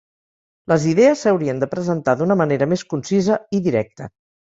Les idees s'haurien de presentar d'una manera més concisa i directa.